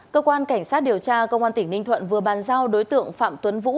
cơ quan cảnh sát điều tra công an tỉnh ninh thuận vừa bàn giao đối tượng phạm tuấn vũ